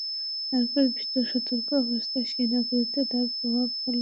অতঃপর ভীত সতর্ক অবস্থায় সেই নগরীতে তার প্রভাত হল।